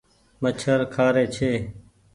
مڇر کآ ري ڇي۔